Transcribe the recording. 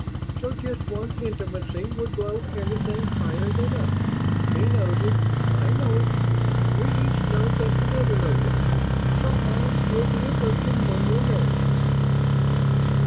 So just one intimacy would blow everything higher than up. He knows it. I know it. We each know that the other knows it. So I'll still be a virgin when we're married."